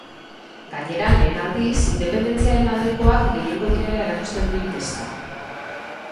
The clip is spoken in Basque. Gainera, lehen aldiz, independentziaren aldekoak gehiengo direla erakusten du inkestak.